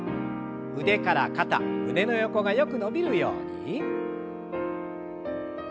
腕から肩胸の横がよく伸びるように。